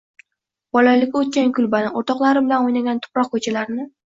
bolaligi o‘tgan kulbani, o‘rtoqlari bilan o‘ynagan tuproq ko‘chalarni